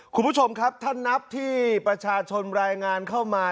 คุณผู้ชมครับถ้านับที่ประชาชนรายงานเข้ามา